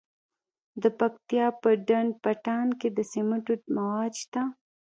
د پکتیا په ډنډ پټان کې د سمنټو مواد شته.